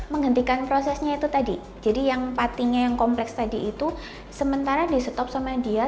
menghentikan prosesnya itu tadi jadi yang patinya yang kompleks tadi itu sementara di stop sama dia